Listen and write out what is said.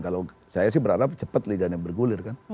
kalau saya sih berharap cepat liganya bergulir kan